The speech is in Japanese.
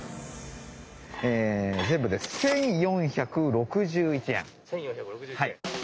全部で１，４６１円。